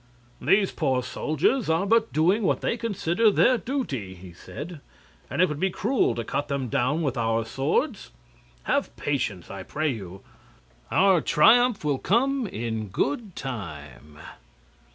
"These poor soldiers are but doing what they consider their duty," he said, "and it would be cruel to cut them down with our swords. Have patience, I pray you. Our triumph will come in good time."